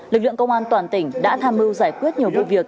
lực lượng công an toàn tỉnh đã tham mưu giải quyết nhiều vụ việc